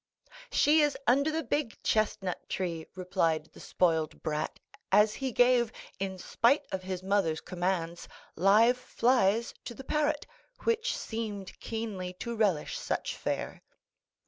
"She is under the big chestnut tree," replied the spoiled brat, as he gave, in spite of his mother's commands, live flies to the parrot, which seemed keenly to relish such fare.